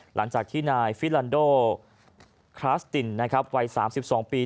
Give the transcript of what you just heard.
หลังจากที่นายฟิลานโดคลาสตินวัย๓๒ปี